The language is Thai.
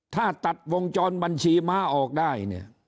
ถ้าตัดวงจรบัญชีม้าออกได้